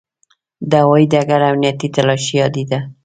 د هوایي ډګر امنیتي تلاشي عادي ده.